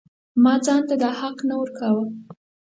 ما ځان ته دا حق نه ورکاوه.